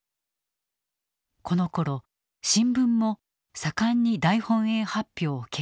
このころ新聞も盛んに大本営発表を掲載。